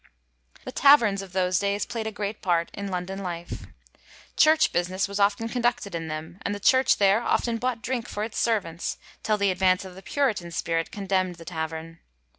The Taverns of those days playd a great part in London life. Church business was often conducted in them and the church there often bought drink for its servants, till the advance of the Puritan spirit condemnd the Tavern.